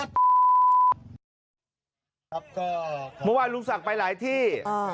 ครับก็เมื่อวานลุงศักดิ์ไปหลายที่